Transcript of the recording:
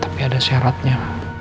tapi ada syaratnya